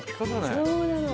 そうなの！